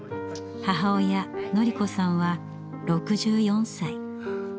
母親典子さんは６４歳。